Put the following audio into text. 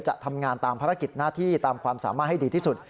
จะทำงานตามภารกิจหน้าที่ตามความสามารถให้ดีที่สุด